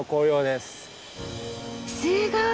すごい！